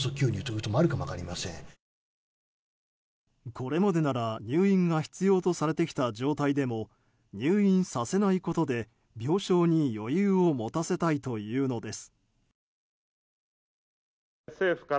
これまでなら入院が必要とされてきた状態でも入院させないことで病床に余裕を持たせないというのです。